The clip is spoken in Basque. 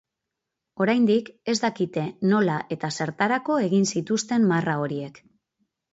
Oraindik ez dakite nola eta zertarako egin zituzten marra horiek.